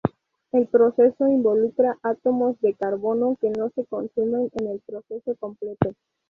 El proceso involucra átomos de carbono que no se consumen en el proceso completo.